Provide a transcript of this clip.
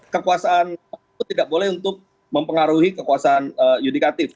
kekuasaan itu tidak boleh untuk mempengaruhi kekuasaan yudikatif